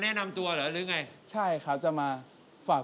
ฟงเหมือนพี่ไหมที่แบบว่า